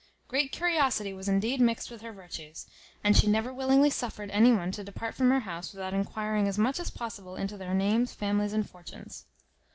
Great curiosity was indeed mixed with her virtues; and she never willingly suffered any one to depart from her house, without enquiring as much as possible into their names, families, and fortunes.